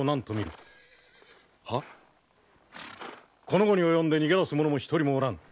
この期に及んで逃げ出す者も一人もおらぬ。